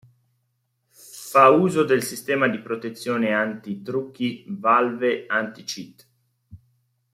Fa uso del sistema di protezione anti-trucchi Valve Anti-Cheat.